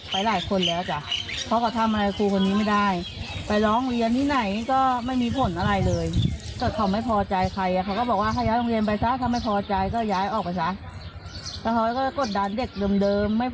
ไม่ได้ดีอะเขาเรียกเรียกลงมาว่าเลี้ยงลูกไม่ดีอะจ๊ะเลี้ยงลูกงูเลี้ยงลูกไม่กินผัก